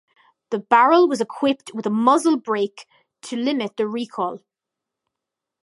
The barrel was equipped with a muzzle brake to limit the recoil.